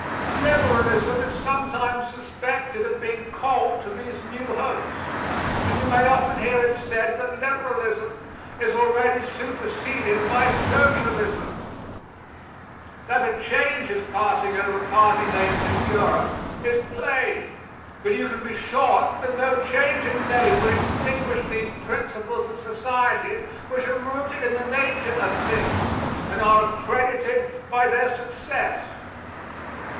Liberalism is sometimes suspected of being cold to these new hopes, and you may often hear it said that Liberalism is already superseded by Socialism. That a change is passing over party names in Europe is plain, but you may be sure that no change in name will extinguish these principles of society which are rooted in the nature of things, and are accredited by their success.